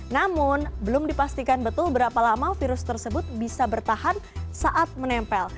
namun belum dipastikan betul berapa lama virus tersebut bisa bertahan saat menempel